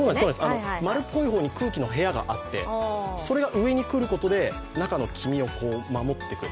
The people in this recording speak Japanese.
丸っこい方が空気の部屋があってそれが上にくることで中の黄身を守ってくれる。